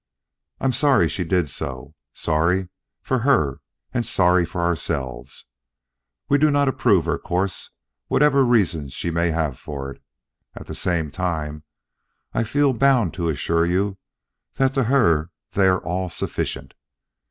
I am sorry she did so, sorry for her and sorry for ourselves. We do not approve her course, whatever reasons she may have for it. At the same time, I feel bound to assure you that to her they are all sufficient.